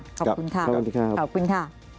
ขอบคุณค่ะขอบคุณค่ะขอบคุณที่ครับขอบคุณค่ะ